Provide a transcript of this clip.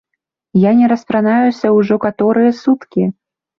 Я не распранаюся ўжо каторыя суткі.